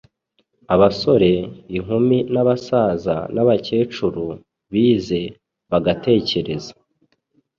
abasore, inkumi n’abasaza n’abakecuru, bize, bagatekereza